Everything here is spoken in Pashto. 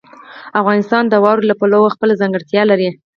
افغانستان د واورو له پلوه خپله ځانګړتیا لري.